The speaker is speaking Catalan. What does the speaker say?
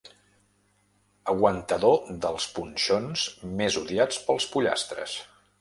Aguantador dels punxons més odiats pels pollastres.